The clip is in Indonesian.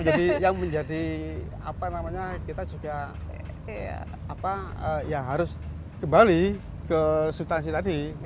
nah ini yang menjadi apa namanya kita juga ya harus kembali ke subtansi tadi